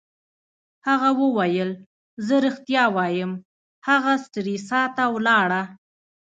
هغه وویل: زه ریښتیا وایم، هغه سټریسا ته ولاړه.